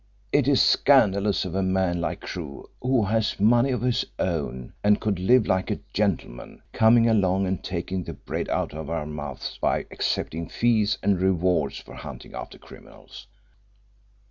It's scandalous of a man like Crewe, who has money of his own and could live like a gentleman, coming along and taking the bread out of our mouths by accepting fees and rewards for hunting after criminals.